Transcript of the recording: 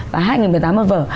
và hai nghìn một mươi tám một vở